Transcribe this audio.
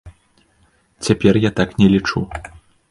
Цяпер я так не лічу.